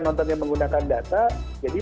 nontonnya menggunakan data jadi